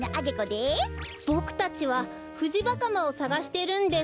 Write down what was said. ボクたちはフジバカマをさがしてるんです。